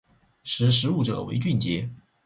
识时务者为俊杰